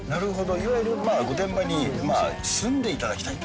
いわゆる、御殿場に住んでいただきたいと。